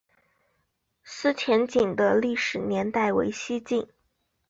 思前井的历史年代为西晋。